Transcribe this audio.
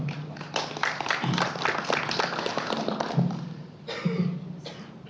assalamualaikum warahmatullahi wabarakatuh